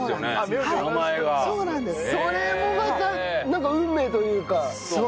それもまたなんか運命というか。